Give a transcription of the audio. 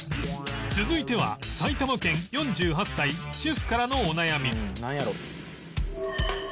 続いては埼玉県４８歳主婦からのお悩み